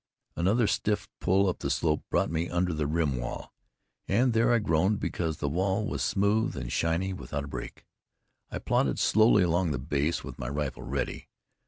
Another stiff pull up the slope brought me under the rim wall, and there I groaned, because the wall was smooth and shiny, without a break. I plodded slowly along the base, with my rifle ready.